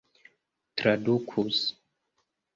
tradukus